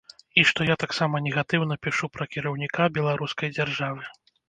І што я таксама негатыўна пішу пра кіраўніка беларускай дзяржавы.